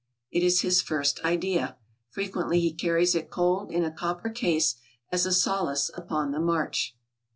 It is his first idea. Frequently he carries it cold in a copper case as a solace upon the march."